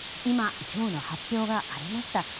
今、今日の発表がありました。